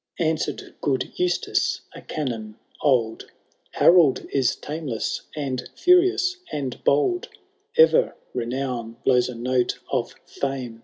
AnswerU good Eustace,^ a canon old^— Harold is tameless, and fiirious, and bold ; ETer Renown blows a note of fame.